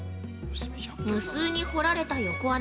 無数に掘られた横穴